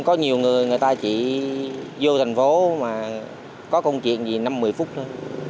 có nhiều người người ta chỉ vô thành phố mà có công chuyện gì năm một mươi phút thôi